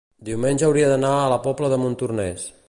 diumenge hauria d'anar a la Pobla de Montornès.